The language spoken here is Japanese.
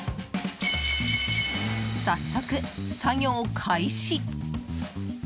早速、作業開始。